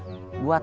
yang penting muat